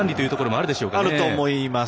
あると思います。